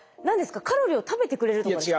カロリーを食べてくれるとかですか？